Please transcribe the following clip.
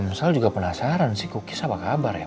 om sal juga penasaran sih kukis apa kabar ya